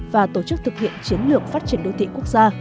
và tổ chức thực hiện chiến lược phát triển đô thị quốc gia